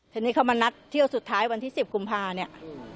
ทีนี้เขามานัดเที่ยวสุดท้ายวันที่๑๐กุมภาเนี่ย